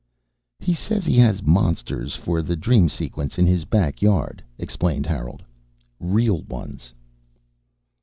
"He says he has monsters for the dream sequence in his back yard," explained Harold. "Real ones."